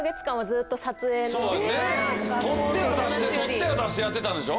撮っては出して撮っては出してやってたんでしょ？